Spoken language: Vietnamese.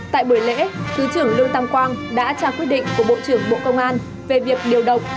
tại buổi lễ thứ trưởng lương tam quang đã trao quyết định của bộ trưởng bộ công an về việc điều động